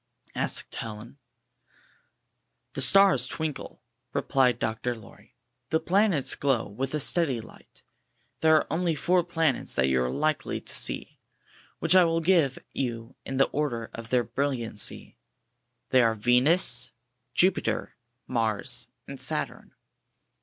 asked Helen. "The stars twinkle," replied Dr. Lorr5\ "The planets glow with a steady light. There are onty four planets that you are likety to see, which I will give you in order of their brilhancy. They are VENUS, JUPITER, MARS, and SATURN.